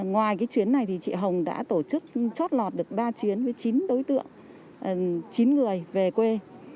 ngoài cái chuyến này thì chị hồng đã tổ chức chót lọt được ba chuyến với chín đối tượng chín người về quê